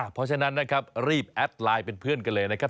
เพราะฉะนั้นนะครับรีบแอดไลน์เป็นเพื่อนกันเลยนะครับ